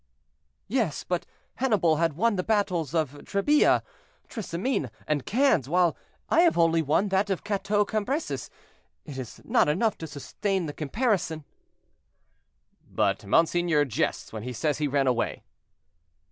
"Yes, but Hannibal had won the battles of Trebia, Thrasymene, and Cannes, while I have only won that of Cateau Cambresis; it is not enough to sustain the comparison." "But monseigneur jests when he says he ran away."